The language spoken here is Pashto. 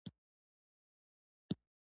هغه په یو سل نهه دېرش هجري کال کې د غور پاچا شو